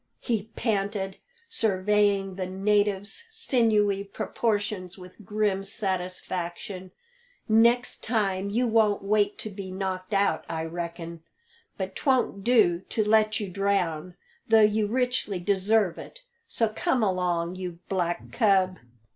he panted, surveying the native's sinewy proportions with grim satisfaction. "Next time you won't wait to be knocked out, I reckon. But 'twon't do to let you drown, though you richly deserve it; so come along, you black cub!"